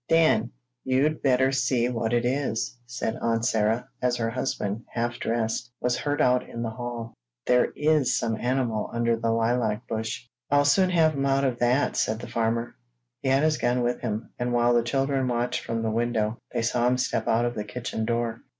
"Dan, you'd better see what it is," said Aunt Sarah, as her husband, half dressed, was heard out in the hall. "There is some animal under the lilac bush." "I'll soon have him out of that," said the farmer. He had his gun with him, and while the children watched from the window, they saw him step out of the kitchen door.